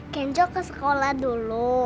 kenco ke sekolah dulu